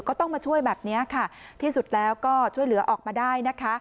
ก็ต้องมาช่วยแบบนี้ค่ะที่สุดแล้วก็ช่วยเหลือออกมาได้นะคะ